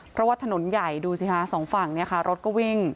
เพราะว่าถนนใหญ่ดูสิคะสองฝั่งเนี่ยค่ะรถก็วิ่ง